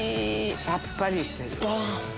さっぱりしてる。